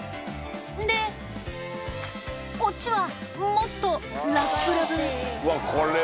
で、こっちはもっとラッブラブ。